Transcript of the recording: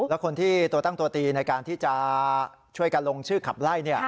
แล้วคนที่ตัวตั้งตัวตีในการที่จะช่วยกันลงชื่อขับไล่